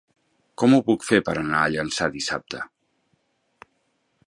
Com ho puc fer per anar a Llançà dissabte?